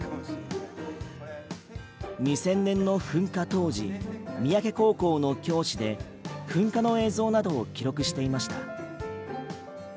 ２０００年の噴火当時、三宅高校の教師で噴火の映像などを記録していました。